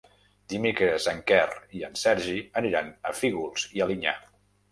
Dimecres en Quer i en Sergi aniran a Fígols i Alinyà.